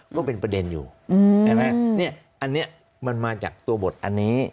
ก็เป็นประเด็นอยู่อันนี้มันมาจากตัวบทอันนี้